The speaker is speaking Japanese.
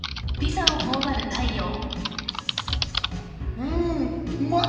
うんうまい！